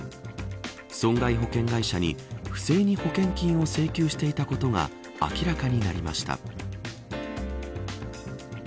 損害保険会社に不正に保険金を請求していたことが明らかになりました。